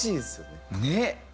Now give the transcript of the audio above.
ねっ！